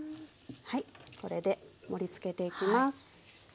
はいこれで盛りつけていきます。